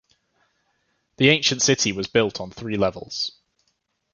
The ancient city was built on three levels.